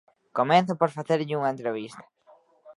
Comezo por facerlle unha entrevista.